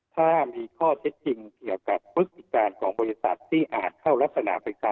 ถ้ามีข้อเท็จจริงเกี่ยวกับฤทธิการของบริษัทที่อาจเขารับศนาภิกษา